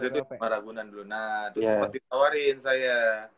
jaman dulu itu sma ragunan dulu nah itu sempet ditawarin saya